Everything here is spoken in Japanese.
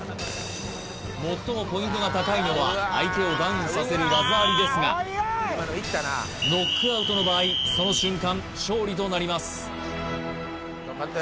最もポイントが高いのは相手をダウンさせる技ありですがノックアウトの場合その瞬間勝利となります